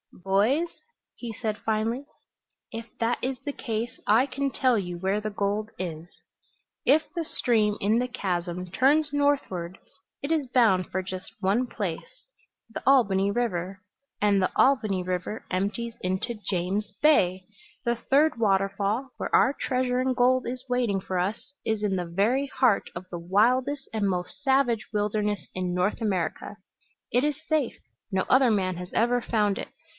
"Boys," he said finally, "if that is the case I can tell you where the gold is. If the stream in the chasm turns northward it is bound for just one place the Albany River, and the Albany River empties into James Bay! The third waterfall, where our treasure in gold is waiting for us, is in the very heart of the wildest and most savage wilderness in North America. It is safe. No other man has ever found it.